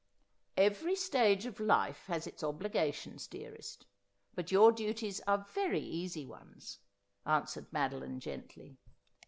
' Every stage of life has its obligations, dearest ; but your duties are very easy ones,' answered Madoline gently.